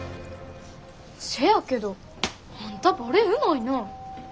せやけどあんたバレエうまいな。